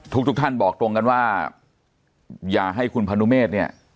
ทุกท่านบอกตรงกันว่าอย่าให้คุณพนุเมฆเนี่ย